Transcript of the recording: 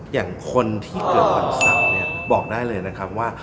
อย่างคนที่เกิดวันเสาร์เนี่ยบอกได้เลยนะครับว่า